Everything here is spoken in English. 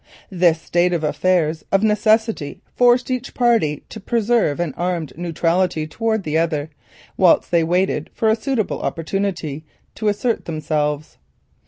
This state of affairs of necessity forced each party to preserve an armed neutrality towards the other, whilst they waited for a suitable opportunity to assert themselves.